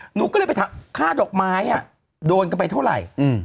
หนูก็เลยไปถามค่าดอกไม้โดนกันไปเท่าไหร่